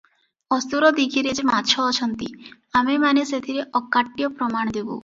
ଅସୁର ଦୀଘିରେ ଯେ ମାଛ ଅଛନ୍ତି ଆମେମାନେ ସେଥିରେ ଅକାଟ୍ୟ ପ୍ରମାଣ ଦେବୁଁ ।